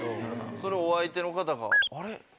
それお相手の方が。